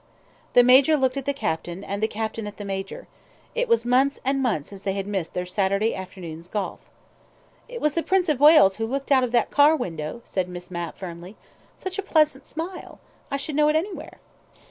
The Major looked at the Captain, and the Captain at the Major. It was months and months since they had missed their Saturday afternoon's golf. "It was the Prince of Wales who looked out of that car window," said Miss Mapp firmly. "Such a pleasant smile. I should know it anywhere."